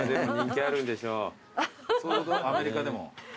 アメリカでも。